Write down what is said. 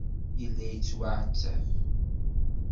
Yella yettwaɛettab.